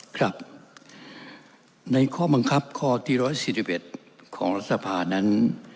ครับในข้อบังคับข้อที่๑๔๑ของรัฐสภานั้น